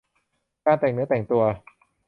การแต่งเนื้อแต่งตัว